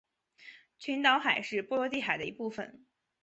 群岛海是波罗的海的一部份。